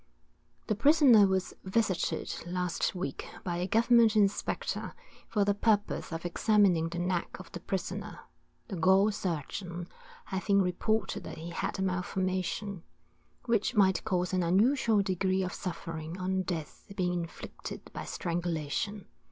The prisoner was visited last week by a government inspector, for the purpose of examining the neck of the prisoner, the gaol surgeon having reported that he had a malformation, which might cause an unusual degree of suffering on death being inflicted by strangulation.